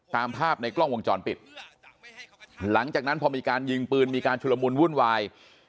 ตามภาพในกล้องวงจรปิดหลังจากนั้นพอมีการยิงปืนมีการชุลมุนวุ่นวาย